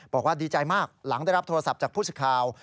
บอกว่าดีใจมากหลังได้รับโทรศัพท์จากผู้สิทธิ์ข่าว